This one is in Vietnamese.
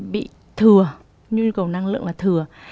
bị thừa nhu cầu năng lượng là thừa